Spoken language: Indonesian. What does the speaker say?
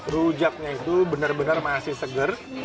rujaknya itu benar benar masih segar